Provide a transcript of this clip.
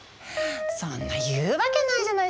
そんな言うわけないじゃない。